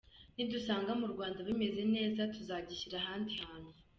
Nidusanga mu Rwanda bimeze neza, tuzagishyira ahandi hantu.